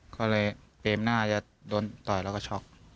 ครับ